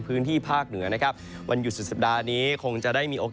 พื้นที่ภาคเหนือนะครับวันหยุดสุดสัปดาห์นี้คงจะได้มีโอกาส